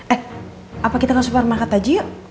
eh apa kita ke supermarket aja yuk